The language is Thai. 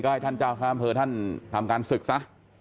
ให้ท่านเจ้าคณะอำเภอท่านทำการศึกซะ